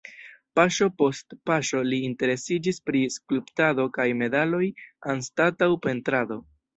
Paŝo post paŝo li interesiĝis pri skulptado kaj medaloj anstataŭ pentrado.